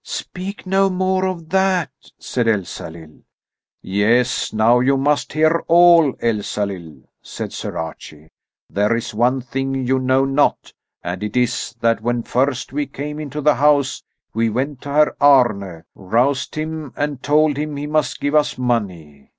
"Speak no more of that!" said Elsalill. "Yes, now you must hear all, Elsalill," said Sir Archie. "There is one thing you know not, and it is that when first we came into the house we went to Herr Arne, roused him, and told him he must give us money.